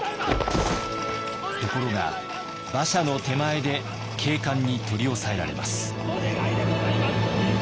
ところが馬車の手前で警官に取り押さえられます。